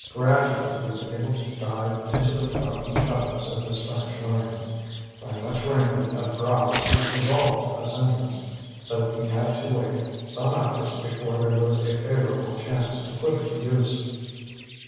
Gradually he was able to dive into the forgotten shallows of his French learning. By much wrinkling of brows he evolved a sentence, though he had to wait some hours before there was a favorable chance to put it to use.